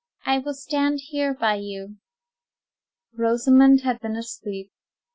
I will stand here by you." Rosamond had been asleep.